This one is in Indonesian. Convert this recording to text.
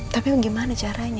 tapi gimana caranya